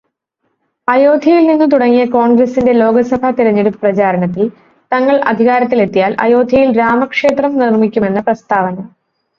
അയോദ്ധ്യയിൽ നിന്നു തുടങ്ങിയ കോൺഗ്രസ്സിന്റെ ലോകസഭാ തെരെഞ്ഞെടുപ്പ് പ്രചാരണത്തിൽ, തങ്ങൾ അധികാരത്തിലെത്തിയാൽ അയോദ്ധ്യയിൽ രാമക്ഷേത്രം നിർമിക്കുമെന്ന പ്രസ്താവന.